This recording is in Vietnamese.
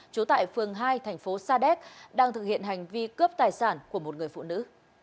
trú tại phường hai thành phố sa đéc đang thực hiện hành vi cướp tài sản của một người phụ nữ